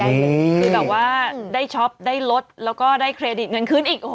คือแบบว่าได้ช็อปได้ลดแล้วก็ได้เครดิตเงินขึ้นอีก